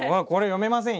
読めません